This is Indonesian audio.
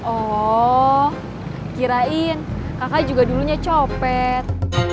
oh kirain kakak juga dulunya copet